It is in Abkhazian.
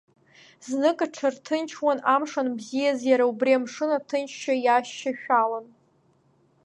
Зных аҽарҭынчуан, амш анбзиаз иара убри амшын аҭынчшьа иашьашәалан.